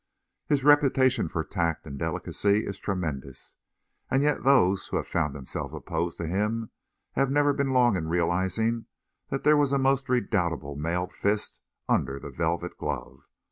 His reputation for tact and delicacy is tremendous; and yet those who have found themselves opposed to him have never been long in realising that there was a most redoubtable mailed fist under the velvet glove.